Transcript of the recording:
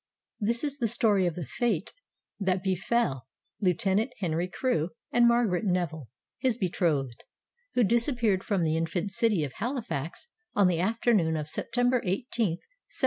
This is the story of the fate that befell Lieutenant Henry Crewe and Margaret Neville, his betrothed, who disappeared from the infant city of Halifax on the afternoon of September 18th, 1749.